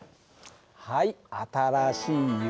はい新しい浴衣。